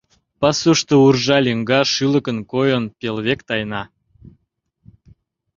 Пасушто уржа лӱҥга, шӱлыкын койын, пел век тайна.